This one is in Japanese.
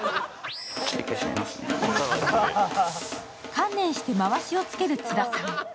観念して、まわしを着ける津田さん。